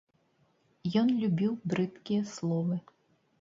Ён любіў брыдкія словы.